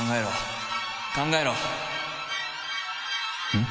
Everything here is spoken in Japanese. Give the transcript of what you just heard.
うん？